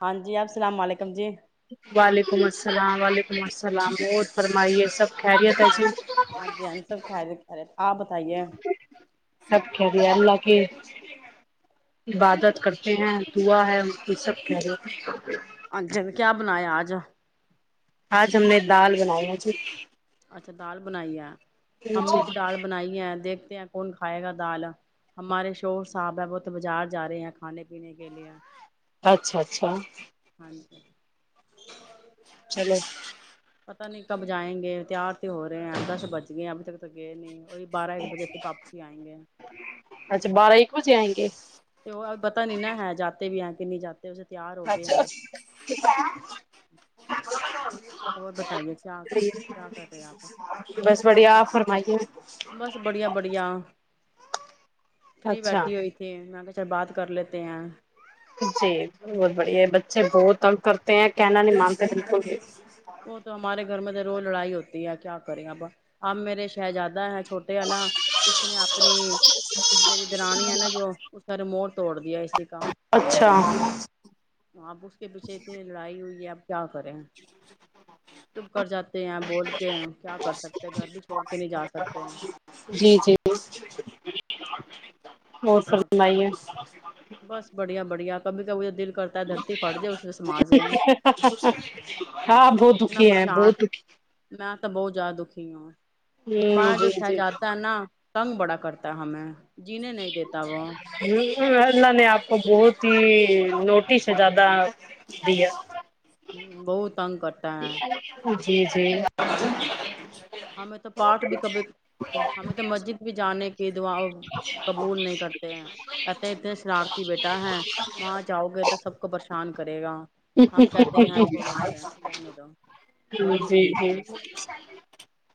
ہاں جی آپ السلام علیکم جی وعلیکم السلام وعلیکم السلام بہت فرمائیے سب خیریت ہے جی ہاں جی ہ سب کا ک آپ بتائیے کہ عبادت کرتے ہیں دعا ہے یہ سب کہ ا ج کیا بنایا آج آج ہم نے دال بناائی ہے جی اچھا دال بنائی ہے جی ہم نے بھی اچھا دال بنائی ہے دیکھ کون کھائے گا دال ہمارے شور صاحب ہے وہ تو بازار جا رہے ہیں کھانے پینے کے لیے اچھا اچھا [inaudible] چلو پتا نہیں کب جائیں گے تیار تو ہو رہے ہیں دش بج گئے ہیں ابھی تک تو گئے نہیں وہی بارہ ایک بجے پ پاپسی ہی آئیں گے ھ آئیں گے تو پتا نہیں نہا ہے جاتتے بھی ہے کنی جاتتے ت اسے تیار ہو گئے ہیں کتا اور بتائیے کیا کیا کر رہے آپ بس بڑھیا آپ فرمائیے بس بڑیا بڑیا فری اچھا بیٹھی ہوئی تھے میں کہ اچھا بات کر لیتے ہیں جی بہت بڑھیا ہے بچے بہت تنگ کرتے ہیں کہنا نہیں مانتے بکل بھی وہ تو ہمارے گھر میں تو روز لڑائی ہوتی ہے کیا کریں اب اب میرے شہزادہ ہیں چھوٹے والا اس نے آ اپنی میری درانی ہے نا جو اسا رموٹ توڑ د ہے کا اچھا اپ اس کے پیچھے اتنی لڑائی ہوئی ہے اب کیا کریں چب کر جاتے ہیں بول کے کیا کر سکتے ہیں گھر بھی چھوڑ کے نہیں جا سکتے ہیں جی جی اور کیا کریں فرمائیے بس بڑھیا بڑھیا [inaudible] کرتا ہے دھرتی پٹ جے اس پ سما جائے ہاں بہت اتنا دکھی ہیں پریشان بہت دکھی میں تو بہت زیادہ دکھی ہوں ہوں ہمارا جی جو جی شہزاد ہے نا تنگ بڑا کرتا ہے ہمیں جیین ن د ابون [inaudible] اللہ نے آپ کو بہت ہی نوٹیس ہے زیادہ دیا [inaudible] سنکٹا جی ج ہمیں تو پارٹ بھی کبھی ہمیں تو مسجد بھی جانے کی دا قبول نہیں کرتے ہیں کہتے اتنے شرارتی بیٹا ہے وہاں جاؤ گے تو سب کو پریشان کرے گا ہم کہتے یہاں چھوڑو پے رہنے دو ج گھر ہی جی ٹھیک جی ہے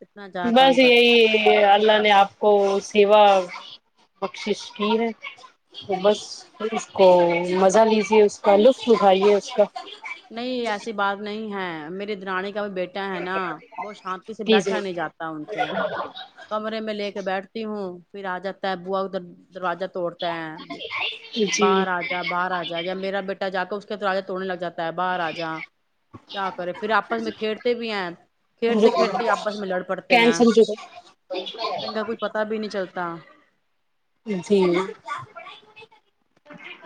اتنا زیادہ تنگ بس کرتے ہیں یہی اللہ نے آپ کو سیوا بخشش کی ہے تو بس اس کو مزہ لیجیے اس کا لطف اٹھائیے اس کا نہیں ایسی بات نہیں ہے میرے درانی بیٹا ہے نا وہ شانتی سے بیٹھا نہیں لیجیے جاتا ان سے کمرے میں لے کے بیٹھتا تی ہوں پھر آ جاتا ہے بو ادھر دروجہ توڑتا ہیں جی بہاجا بہ راجا یا میرا بیٹا جا کے رہ توڑنےگاتا باہر آ جا کیا کرے پھر آپس میں کھیرتے بھی ہیں کھیرتے کھیرتے آپس میں لڑ پڑتے ہیں کینسل جو انن کا کچھ پتا بھی نہیں چلتا کتا جی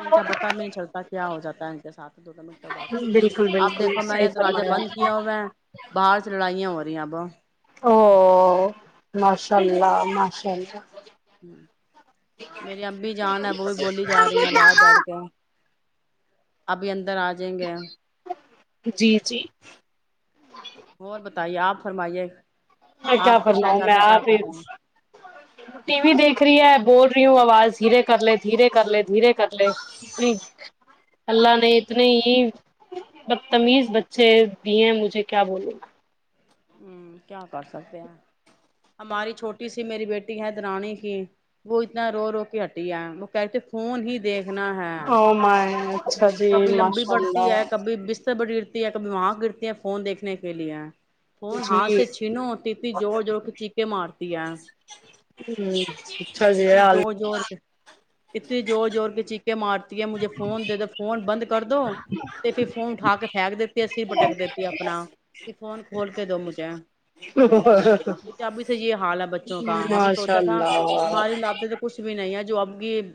ان کا پتا بھی نہیں چلتا کیا ہو جاتا ہے ان کے ساتھ دو دو منٹوں بعد بالکل اب بالکل دیکھو میں صحیح نے تو راجہ فرمایا بند آپ کیا ہو وہ نے باہر سے لڑائیاں ہو پ آبہ او ماشاء اللہ ماشاء اللہ ہ میری ابھی جان ہے وہ بھی بولی جا رہی ہیں باہر بیٹھ کے ابھی اندر ادر آ جائیں گے جی جی اور ب تائی آپ فرمائیے میں کیا آپ کے پرنا میں شہزادے کیا کر پھر رہے ہیں ٹی وی دیکھ رہی ہے بول رہی ہوں آواز دھیرے کر لے دھیرے کر لے دھیرے کر لے اتنی اللہ نے اتنی ہی بدتمیز بچے دی ہیں مجھے کیا بولوں گا ہ کیا کر سکتے ہیں ہماری چھوٹی سی میری بیٹی ہے د رانی کی وہ اتنا رو رو کے ہٹی ہے وہ کہتے خون ہی دیکھنا ہے ب جی ماشاء اللہ سے بڑی گرتی ہے کبھی وہاں گرتی ہیں فون دیکنے کے لیے فون ہاتھ جی سے چھینو ہوتی تھی جوور جوور کے چیخے مارتی ہے ہوں اتنی زور زور کے اتنی زور زور کے چ ے مارتی ہے مجھے فون دے دو فون بند کر دو تو پھر فون اٹھا کے پھینک دیتی ہے سر بھٹک دیتی ہے اپنا کہ فون کھول کے دو مجھے ات ابھی سے یہ حال ہے بچوں کا ہم ماشاء سوچا تھا اللہ ہماری لبتے تو کھ بھی نہیں ہے [unintelligible] جو آب یہ [unintelligible]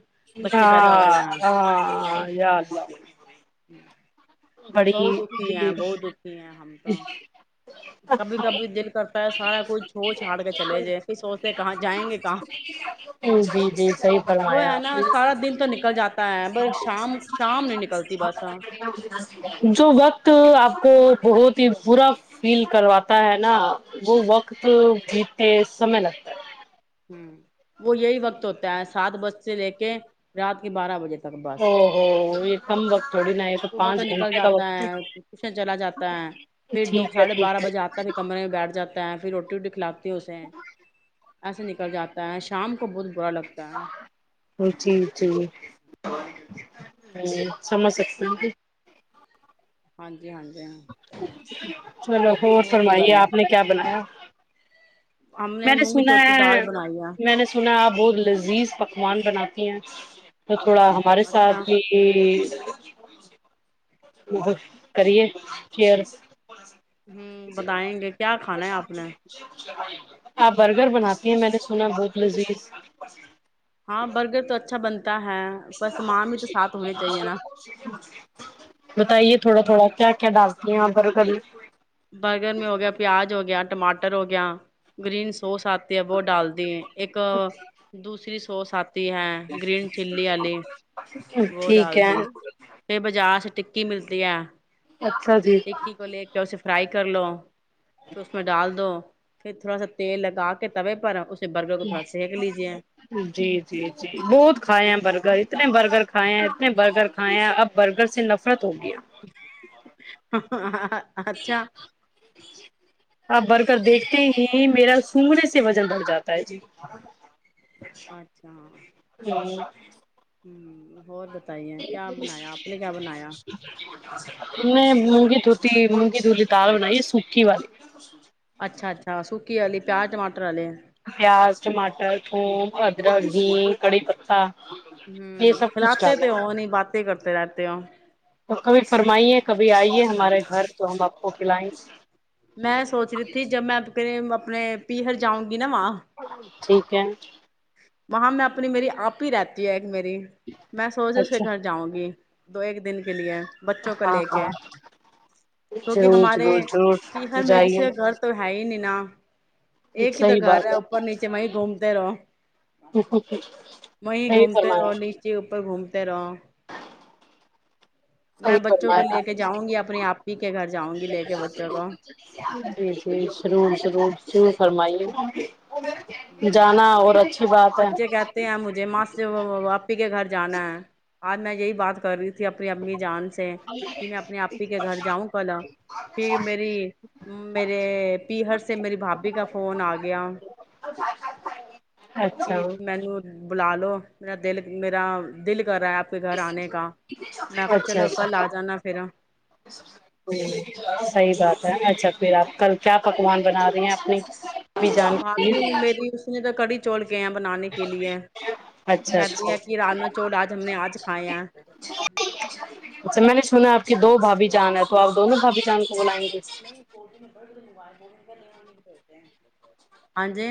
ہاں ہاں یاد [unintelligible] بہت دکھی ہیں بہت دکھی ہیں ہم تو کبھی کبھی دل کرتا ہے سارا کچھ چھوڑ چھاڑ کے چلے جائے پھر سوچتے کہاں جائیں گے کہاں جی جی صحیح وہ ہے فرمایا نا سارا دن تو نکل جاتا ہے ب شام شام نہیں نکلتی بس ہاں جو وقت آپ کوٹ بہت ہی با فیل کرواتا ہے نا وہ وقت جیتتے سمے لگتا ہے ہ وہ یہی وقت ہوتا ہے سات بج سے لے کے رات کے بارہ بجے تک او بس ہو یہ کم وقت تھوڑی نہ ہے تو صبح پانچ نکل گھنٹے کا جاتا وقت ہے ٹیوشن چلا جاتا ہے پھر ٹھیک ہے ٹھیک ہے ت پھر روٹی روٹی کلاات ت سےے ایسے نکل جاتا ہے شام کو بد جی جی جی [unintelligible] سمجھ سکتے ہ ہاں جی ہاں جی ہاں چلو ہو اور فرمائیے بتائیے آپ نے کیا بنایا ہم میں نے مونگ کی سنا دھوتی ہے دال بنائی ہے میں نے سنا آپ بہت لذیذ پک [unintelligible] پکوان بناتی ہیں کچ تھوڑا ہمارے ساتھ اچھا بھی [unintelligible] کریے شئر ہوں بتائیں گے کیا کھانا ہے آپ نے [unintelligible] گھر بناتی ہیں میں نے سنا بہت لذیذ ہاں برگر تو اچھا بنتا ہے پر سامان بھی تو ساتھ ہونے چاہیے نا بتائیے تھوڑا تھوڑا [unintelligible] کیا کیا دس دی ہ پروں کبھی برگر میں ہو گیا پیاز ہو گیا ٹماٹر ہو گیا گرینس سوس آتی ہے وہ ڈال دی ایک دوسری کو ساتھ [unintelligible] ہے گرین چلی والی وہ ڈال ٹھیک ہے دی پھر بازار سے کی ملتی ہے اچھا جی ٹکی کو لے کے اسے فرائی کر لو تو اس میں ڈال دو پھر تھوڑا سا تیل لگا کے توے پر برگر کو تھوڑا سینک لیجیے جی جی جی بہت کھائے ہیں برگر اتنے برگر کھائے ہیں اتنے برگر کھائے ہیں اب برگر سے نفرت ہو گئی ہے ہاں ہاں ا اچھا آپ برگر دیکھتے ہی میرا سگڑے سے وزن بڑھ جاتا ہے جی [unintelligible] اچھا اور بتائیے کیا بنایا آپ نے کیا بنایا نہیں مونگی دھوتی مونگی دھوتی دال بنائی ہے سوکھی والی اچھا اچھا سوکھی کھی والی پیاز ٹماٹر والی پیاز ٹماٹر تھوم ادرک گھی کڑھی پتا ہمم کھلاتے تو ہو نہیں باتیں کرتے رہتے تے ہو تو کبھی فرمائیے کبھی آئیے ہمارے گھر تو ہم آپ کو کھلائیں گے، میں سوچ رہی تھی جب میں اپنے پی ہر جاؤں گی نا وہاں ٹھیک ہے وہاں میں اپنی میری آپی رہتی ہے میری میں سوچ رہی اس کے اچھا گھر جاؤں گی دو ایک دن دن کے لیے بچوں کو ہاں لے کے ہاں کیونکہ ضرور ہمارے ضرور ضرور پیہر میں جائیے کسی کا گھر تو ہے ہی نہیں نا ایک ہی تو صحیح گھر ہے بات اوپر نیچے وہیں گھومتے رہو ہے صحیح وہیں گھومتے رہو نیچے اوپر گھومتے تیرہ [unintelligible] فرم جی میں بچوں کو لے کے جرور جاؤں گی اپنے آپی سرور کے گھر جاؤں گی لے کے ش بچوں کو فرم۔۔ [unintelligible] [inaudible] گ ہ بات بچے کہتے ہیں مجھے ماں ہے باپی کے گھر جانا ہے آج میں یہی بات کر رہی ت اپنی امی جان سے کہ میں اپنے آپی کے گھر جاؤں کل پ میری میرے پی ہر سے میری بھابھی کا فون آ گیا کہ اچھا منو بلا لو میرا دل میرا دل [unintelligible] کر رہا ہے آپ کے گھر آنے کا میں کہ اچھا چلو اچھا کل ہ آ جانا پھر صحیح بات ہے اچھا پھر آپ کل کیا پکوان بنا رہے ہیں اپنی بھی جان کے بھابھی لیے نے میری اسی نے تو کڑی چوول بنانے کے لیے اچھا کہتی اچھا ہیں کہ راما چول آج ہم نے آج کھائے اچھا میں نے سنا آپ کی دو بھابھی جان ہے تو آپ دونوں بھابھی جان کو بلائیں گے نہیں کو نے بڑے منوایا کو ہاں جی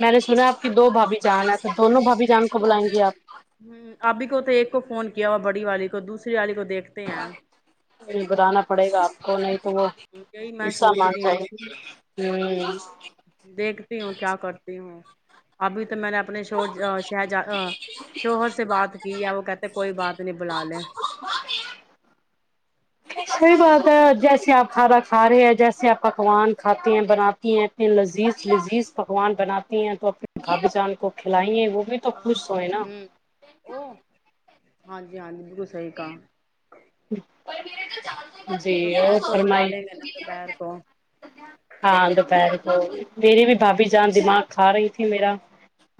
میں نے سنا آپ کی دو بھابھی جان ایسا دونوں بھابھی جان کو بلائیں گے آپ ہ ابھی کو تو ایک کو فون کیا ہوا بڑی والی کو دوسری والی کو تو بتانا پڑے گا آپ کو ہو نہیں تو یہی میں ایسا سوچ م رہی ہے ہوں ہوں دیکھتی ہوں کیا کرتی ہوں ابھی تو میں نے اپنے شر شہجہ شوہر سے بات کی ہے وہ کہتے کوئی بات نہیں بلا لے صحی بات ہے جیسے آپ کھانا کھا رہے ہیں جیسے آپ پکوان کھاتے ہیں بناتی ہیں اپنے لذیذ لذیذ پکوان بناتی ہیں تو اپنے بھابھی جان کو کھلائی ہیں وہ بھی تو خوش ہوئے نا [inaudible] ہاں جی ہاں جی گسئی کا پر میرے تو چ جی اور بلا فرمائی لیں گے نا دوپہر کو ہاں دوپہر میری بھی بھاابھی جان دماغ کھا رہی تھی میرا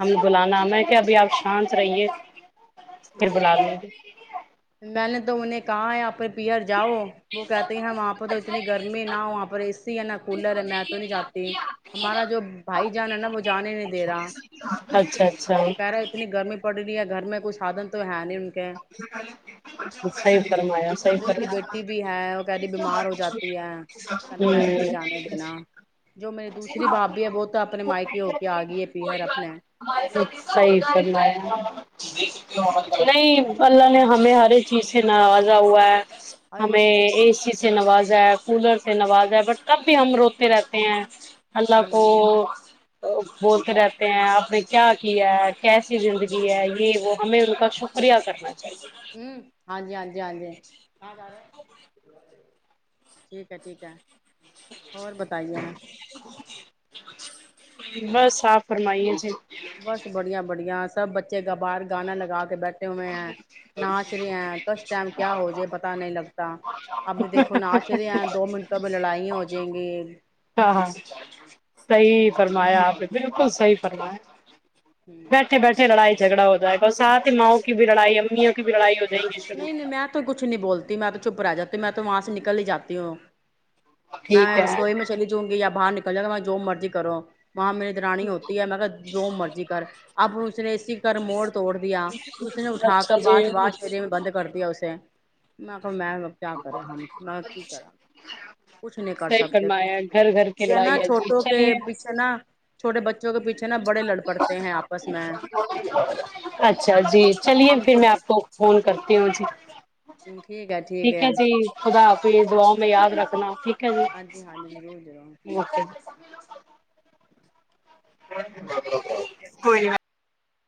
ہم بلانا میں کیا ابھی آپ شانت رہیے بھر بلا اچھا میں نے تو انہیں کہا ہے پ پئر جاؤ وہ کہتے ہیں ہم وہاں پہ تو اتنی گرمی نہ ہو وہاں پر نہا کولر ہے میں تو نہیں جاتی ہمارا جو بھائی جان ہے نا وہ جان ہی نہیں دے رہا اچھا وہ کہہ رہا اچھا اتنی گرمی پڑ رہی ہے گھر میں کچھ سادن تو ہے نہیں ان کے س فرمام س ف کہتے اس کی بیٹی بھی ہے وہ کہہ رہی بیمار ہو جاتی ہے س کہنا میں نے نہیں جانے دینا جو میری دوسری بھابھی ہے وہ تو اپنے مائکے ہو کے آ گئی ہے پیہر اپنے فرما ہو نہیں اللہ نے ہمیں ہر ایک چیز سے ناراضا ہوا ہے ارے ہمیں اس چیز [inaudible] [unintelligible] سے نوازا ہے کولر سے نوازا ہے بٹ کب بھی ہم روتے رہتے ہیں اللہ پ ہوں بولتے رہتے ہیں آپ نے کیا کیا ہے کیسی زندگی ہے یہ وہ ہمیں ان کا شکر برییا کرنا چاہیے ہ ہاں جی ہاں جی ہاں جی ٹھیک ہے ٹھیک ہے اور بتائیے بس آپ فرمائیے جی بس بڑیا بڑیا سب بچے کبار گانا لگا کے بیٹھے ہوئے ہیں ناچ رہے ہیں کس ٹائم کیا ہو جائے پت نہیں لگتا ابھی دیکھو ناچ رہے ہیں دو منٹوں میں لڑائ ہو جائیں گی ہاں ہاں صحی فرمایا آپ نے بالکل صحیح فرو ہے بیٹھے بیٹھے لڑائی جھگڑا ہو جائے گ اور سات ہی ماؤں کی بھی لڑائی اممیوں کی بھی لڑائی ہوتی نہیں نہیں میں تو کچ نہیں بولتی میں تو چپ رہ جاتی میں تو وہاں سے نکل ہی جاتی ہوں ٹھیک میں ہے رسوئی میں چلی جاؤں گییا باہر نکل جائےا میں جو مرضی کرو وہاں میری درانی ہوتی ہے میں کہ جو مرضی کر ابو نے اسی کر موڑ توڑ دیا اس نے اٹھا کر اچھا جی باش واش صحیح فری میں بند کر دیا اسے نہ [unintelligible] میں کیا کرے ہم میں کی کرا کچھ نہیں کر سکتے فرمایا کچھ نہیں گھر گھر کی یہ لڑائی نا ہے جی چھوٹوں کے چلیے پیچھے نا چھٹے بچ میں اچھا جی چلیے ہم پھر میں تو آپ کو فون کرتی ہ مجھے ٹھیک ہے جی خدا اپ دعاؤ میں یاد خدا حافظ رکھنا ٹھیک ہے ہاں ہاں ضرور ضرور جی اوکے کوئی نہیں بات